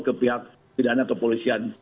ke pihak pidana atau polisian